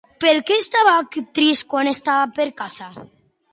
Per què estava trist quan estava per casa?